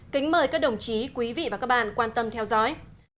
kính mời các đồng chí quý vị và các bạn quan tâm theo dõi